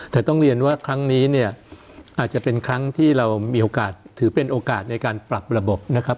แต่ต้องเรียนว่าครั้งนี้เนี่ยอาจจะเป็นครั้งที่เรามีโอกาสถือเป็นโอกาสในการปรับระบบนะครับ